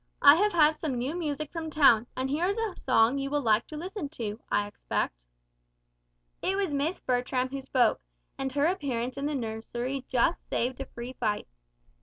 I have had some new music from town, and here is a song that you will like to listen to, I expect." It was Miss Bertram who spoke, and her appearance in the nursery just saved a free fight.